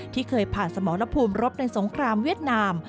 ที่เคยผ่านสมรภูมิรบในสงครามเวียดนาม